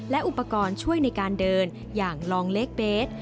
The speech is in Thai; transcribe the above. และอุปกรณ์ช่วยในการเดินอย่างลองเล็กเบส